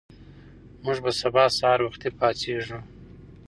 موږ به سبا سهار وختي پاڅېږو.